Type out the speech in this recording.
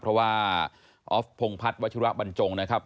เพราะว่าออฟพงพัฒน์วัชิระบรรจงนะครับ